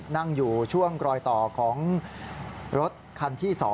นั่งอยู่ช่วงรอยต่อของรถคันที่๒